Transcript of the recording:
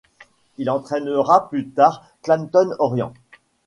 Il entraînera plus tard Clapton Orient.